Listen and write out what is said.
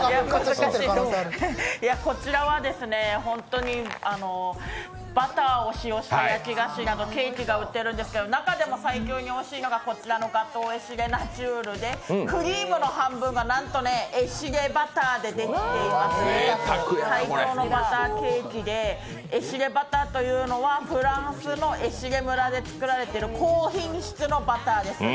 難しい、こちらはですね、本当にバターを使用した焼き菓子、ケーキが売っているんですけど中でも最強においしいのがこちらのガトー・エシレナチュールで、クリームの半分がなんとエシレバターでできている最高のバターケーキでエシレバターというのはフランスのエシレ村で作られている高品質なバターです。